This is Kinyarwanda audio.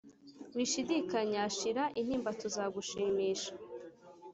Wishidikanya shira intimba tuzagushimisha